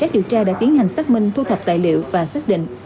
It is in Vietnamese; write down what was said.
điều tra đã tiến hành xác minh thu thập tài liệu và xác định